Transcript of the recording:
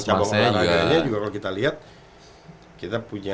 dan cabang cabang orang lainnya juga kalau kita lihat kita punya